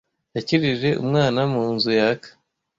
Yakijije umwana mu nzu yaka.